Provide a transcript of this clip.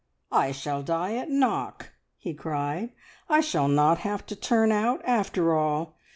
"I shall die at Knock!" he cried. "I shall not have to turn out after all!